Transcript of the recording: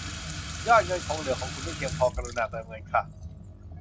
ยอดเงินคงเหลือของคุณไม่เพียงพอ กรุณาเติมเงินค่ะ